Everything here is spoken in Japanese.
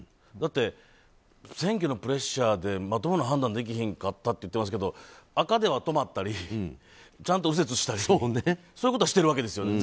だって、選挙のプレッシャーでまともな判断できひんかったって言ってますけど赤では止まったりちゃんと右折したりとかそういうことはしてるわけですよ。